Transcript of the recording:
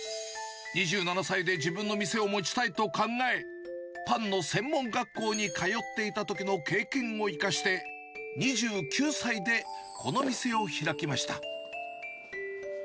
２７歳で自分の店を持ちたいと考え、パンの専門学校に通っていたときの経験を生かして、２９歳でこの店を開きました。